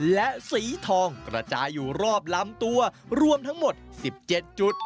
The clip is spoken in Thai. และสีทองกระจายอยู่รอบลำตัวรวมทั้งหมด๑๗จุด